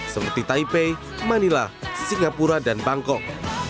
seperti taipei manila singapura dan bangkok